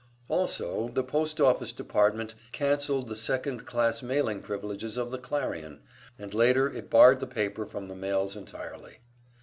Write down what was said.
Also the post office department cancelled the second class mailing privileges of the "Clarion," and later it barred the paper from the mails entirely.